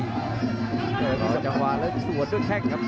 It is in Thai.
จับจังหวาดและส่วนด้วยแท้งครับ